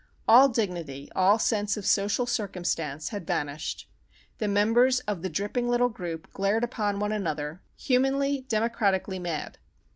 All dignity, all sense of social circumstance, had vanished. The members of the dripping little group glared upon one another, humanly, democratically mad.